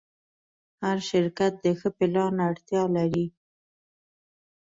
هر شرکت د ښه پلان اړتیا لري.